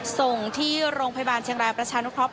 ส่งโรงพยาบาลเชียงรายประชานุเคราะ